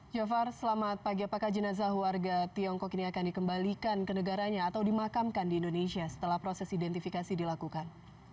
jafar selamat pagi apakah jenazah warga tiongkok ini akan dikembalikan ke negaranya atau dimakamkan di indonesia setelah proses identifikasi dilakukan